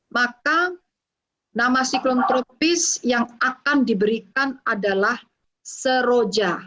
maka nama siklon tropis yang akan diberikan adalah seroja